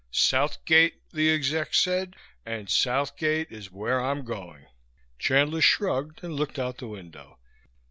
'South Gate,' the exec said, and South Gate is where I'm going." Chandler shrugged and looked out the window